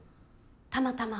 たまたま？